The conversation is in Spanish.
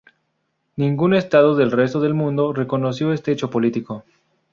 Ningún Estado del resto del mundo reconoció este hecho político.